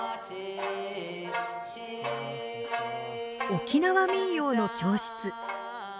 沖縄民謡の教室。